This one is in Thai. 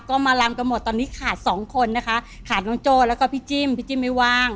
ก็มาลำกันหมดตอนนี้ขาดสองคนนะคะขาดน้องโจ้แล้วก็พี่จิ้มพี่จิ้มไม่ว่าง